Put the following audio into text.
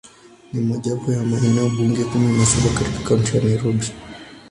Ni mojawapo wa maeneo bunge kumi na saba katika Kaunti ya Nairobi.